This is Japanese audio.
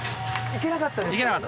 行けなかったです。